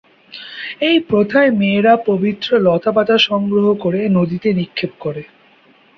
এই প্রথায় মেয়েরা পবিত্র লতাপাতা সংগ্রহ করে নদীতে নিক্ষেপ করে।